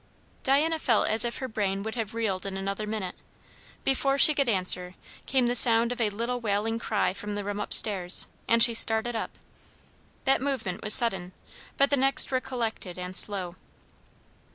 Diana felt as if her brain would have reeled in another minute. Before she could answer, came the sound of a little wailing cry from the room up stairs, and she started up. That movement was sudden, but the next were collected and slow.